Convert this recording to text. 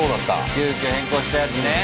急きょ変更したやつね。